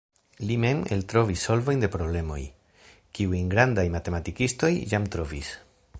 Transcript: Li mem eltrovis solvojn de problemoj, kiujn grandaj matematikistoj jam trovis.